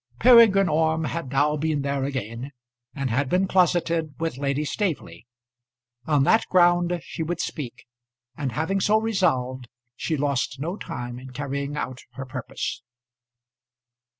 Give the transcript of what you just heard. Peregrine Orme had now been there again, and had been closeted With Lady Staveley. On that ground she would speak, and having so resolved she lost no time in carrying out her purpose.